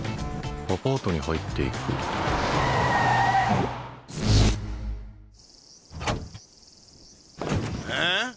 アパートに入っていくあん？